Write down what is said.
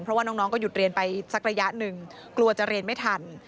เพราะว่าน้องก็หยุดเรียนไปสักระยะหนึ่งกลัวจะเรียนไม่ทัน